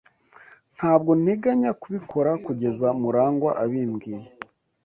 Ntabwo nteganya kubikora kugeza Murangwa abimbwiye.